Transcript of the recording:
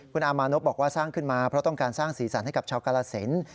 คุณอามานพบอกว่าสร้างขึ้นมาเพราะต้องการสร้างสีสันให้กับชาวกาลสิน